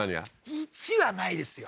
１はないですよ